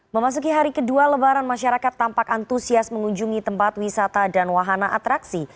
memasuki hari kedua lebaran masyarakat tampak antusias mengunjungi tempat wisata dan wahana atraksi